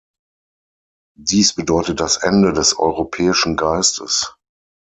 Dies bedeutet das Ende des europäischen Geistes.